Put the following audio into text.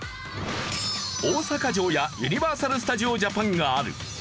大阪城やユニバーサル・スタジオ・ジャパンがある大阪府。